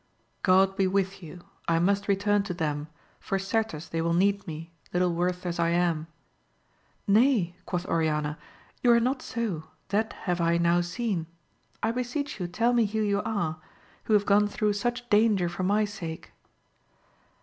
God be with you ! I must return to them, for certes they will need me, little worth as I am. Nay, quoth Oriana, you are not so ; that have I now seen. I beseech you tell me who you are, who have gone through such danger for my sake.